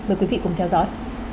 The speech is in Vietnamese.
mời quý vị cùng theo dõi